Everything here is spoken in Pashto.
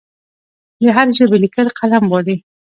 د هرې ژبې لیکل قلم غواړي.